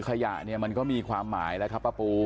ขยะเนี่ยมันก็มีความหมายแล้วครับป้าปู